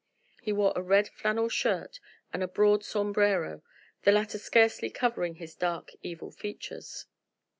He wore a red flannel shirt and a broad sombrero, the latter scarcely covering his dark, evil features.